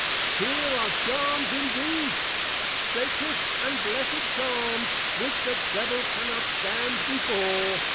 Here are Charms indeed! Sacred and Blessed Charms, which the Devil cannot stand before.